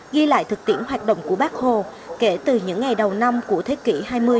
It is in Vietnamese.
ghi lại thực tiễn hoạt động của bác hồ kể từ những ngày đầu năm của thế kỷ hai mươi